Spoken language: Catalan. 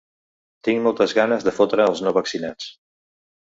Tinc moltes ganes de fotre els no vaccinats.